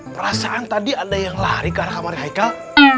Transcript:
perasaan tadi ada yang lari ke arah kamar haikal